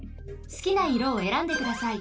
すきないろをえらんでください。